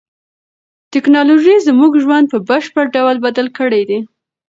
تکنالوژي زموږ ژوند په بشپړ ډول بدل کړی دی.